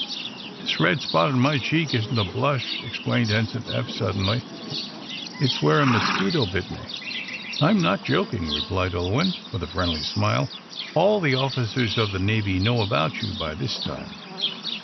"This red spot on my cheek isn't a blush," explained Ensign Eph, suddenly. "It's where a mosquito bit me." "I am not joking," replied Ulwin, with a friendly smile. "All the officers of the Navy know about you by this time."